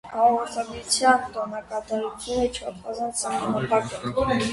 Հաղորդության տոնակատարությունը չափազանց սահմանափակ է։